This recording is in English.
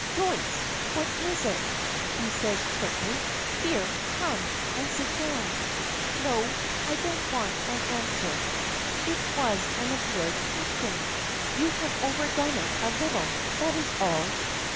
"Joyce! what is it?" says he, quickly. "Here, come and sit down. No, I don't want an answer. It was an absurd question. You have overdone it a little, that is all."